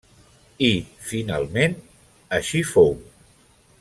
I, finalment, així fou.